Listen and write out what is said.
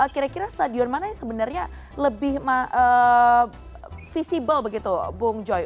kira kira stadion mana yang sebenarnya lebih visible begitu bung joy